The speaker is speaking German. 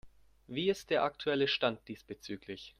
Wie ist der aktuelle Stand diesbezüglich?